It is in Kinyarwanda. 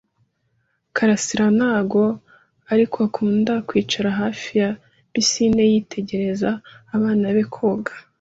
karasira ntoga, ariko akunda kwicara hafi ya pisine yitegereza abana be koga.